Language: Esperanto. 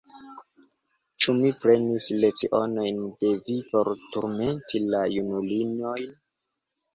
Ĉu mi prenis lecionojn de vi por turmenti la junulinojn?